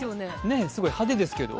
ね、すごい派手ですけど。